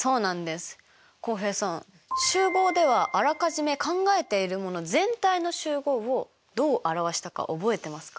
浩平さん集合ではあらかじめ考えているもの全体の集合をどう表したか覚えてますか？